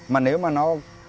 mà nếu mà nó